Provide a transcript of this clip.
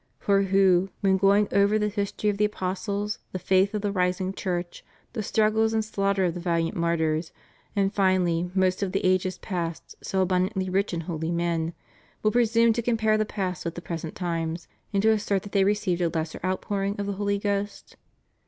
For who, when going over the history of the apostles, the faith of the rising Church, the struggles and slaughter of the valiant martyrs, and finally most of the ages past so abundantly rich in holy men, wiU presume to compare the past with the present times and to assert that they received a lesser outpouring of the Holy Ghost?